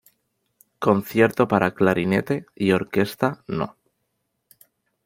Concierto para clarinete y orquesta no.